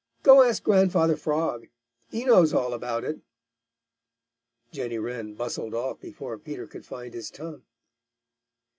Go ask Grandfather Frog; he knows all about it." Jenny Wren bustled off before Peter could find his tongue.